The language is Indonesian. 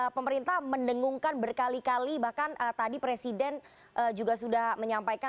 pemerintah mendengungkan berkali kali bahkan tadi presiden juga sudah menyampaikan